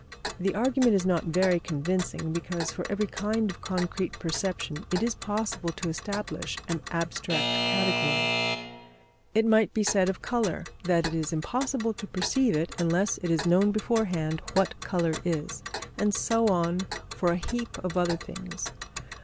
The argument is not very convincing, because, for every kind of concrete perception it is possible to establish an abstract category. It might be said of colour that it is impossible to perceive it unless it is known beforehand what colour is; and so on for a heap of other things.